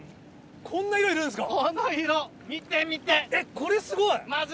こんな色いるんですか！